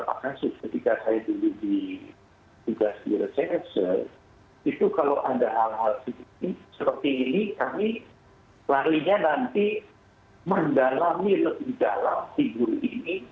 perlu di dalam yang dikaliut